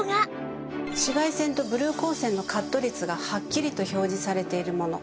紫外線とブルー光線のカット率がはっきりと表示されているもの。